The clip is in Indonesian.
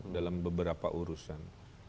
dalam beberapa urusan